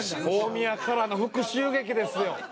大宮からの復讐劇ですよ。